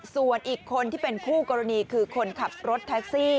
ส่วนอีกคนที่เป็นคู่กรณีคือคนขับรถแท็กซี่